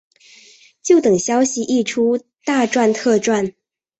就等消息一出大赚特赚